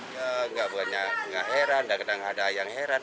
ya nggak banyak nggak heran ada yang heran